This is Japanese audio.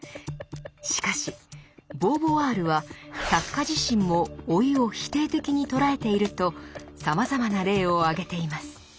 しかしボーヴォワールは作家自身も老いを否定的に捉えているとさまざまな例を挙げています。